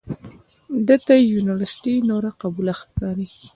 ده ته یونورسټي نوره قبوله ښکاري.